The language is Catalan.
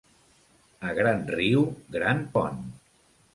A gran riu, gran pont.